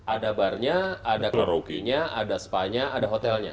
ada barnya ada karaoke nya ada spa nya ada hotelnya